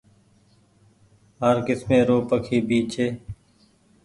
هر ڪسمي رو پکي ڀي ڇي